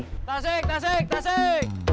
tasik tasik tasik